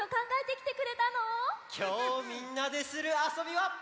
きょうみんなでするあそびは。